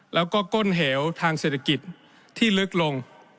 และกดเห๋าทางเศรษฐกิจที่ลึกลง